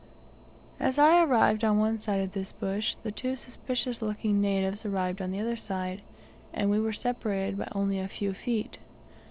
As I arrived on one side of this bush, the two suspicious looking natives arrived on the other side, and we were separated by only a few feet.